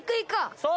そう。